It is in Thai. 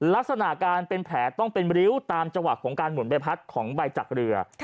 ลักษณะการเป็นแผลต้องเป็นริ้วตามจังหวะของการหุ่นใบพัดของใบจักรเรือ